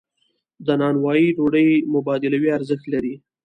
د نانوایی ډوډۍ مبادلوي ارزښت لري.